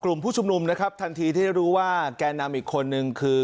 กลุ่มผู้ชุมนุมนะครับทันทีที่ได้รู้ว่าแก่นำอีกคนนึงคือ